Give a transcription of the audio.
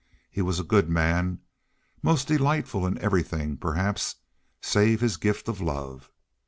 He was a good man, most delightful in everything, perhaps, save his gift of love.